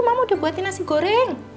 mama udah buatin nasi goreng